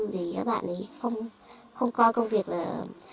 vì các bạn không coi công việc là